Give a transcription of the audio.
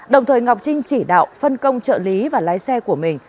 đồng thời ngọc trinh chỉ đạo phân công trợ lý và lái xe của mình